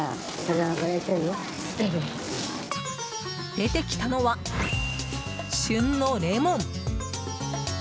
出てきたのは旬のレモン。